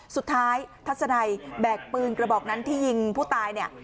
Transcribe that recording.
สุดท้ายทัศนัยแบกปืนกระบอกนั้นที่ยิงผู้ตาย